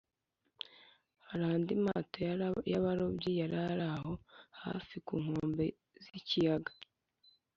hari andi mato y’abarobyi yari ari aho hafi ku nkombe z’ikiyaga